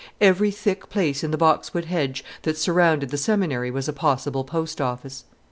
Every thick place in the boxwood hedge that surrounded the seminary was a possible post office.